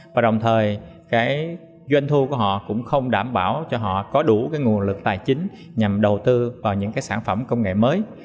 và đồng thời cái doanh thu của họ cũng không đảm bảo cho họ có đủ cái nguồn lực tài chính nhằm đầu tư vào những cái sản phẩm công nghệ mới